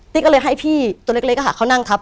ก็เลยให้พี่ตัวเล็กเขานั่งทับ